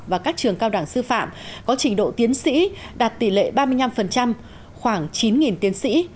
và các trường cao đẳng sư phạm có trình độ tiến sĩ đạt tỷ lệ ba mươi năm khoảng chín tiến sĩ